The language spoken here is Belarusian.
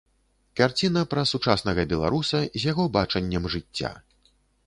Карціна пра сучаснага беларуса, з яго бачаннем жыцця.